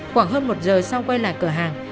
khoảng hơn một giờ sau quay lại cửa hàng